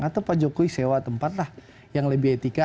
atau pak jokowi sewa tempat lah yang lebih etika